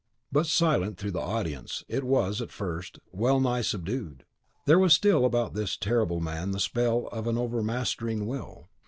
But silent though the audience, it was, at the first, wellnigh subdued. There was still about this terrible man the spell of an overmastering will.